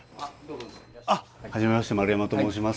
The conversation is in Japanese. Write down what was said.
あっ初めまして丸山と申します。